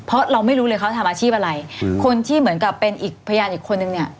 เพราะเราไม่รู้เลยเขาทำอาชีพอะไรอืมคนที่เหมือนกับเป็นอีกพยานอีกคนนึงเนี่ย